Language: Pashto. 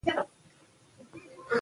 بادام د افغانستان د سیلګرۍ برخه ده.